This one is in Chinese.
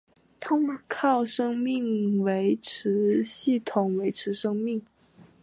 靠生命维持系统维持生命。